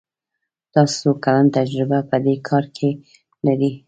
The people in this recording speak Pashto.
تاسو څو کلن تجربه په دي کار کې لری ؟